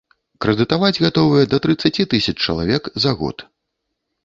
Крэдытаваць гатовыя да трыццаці тысяч чалавек за год.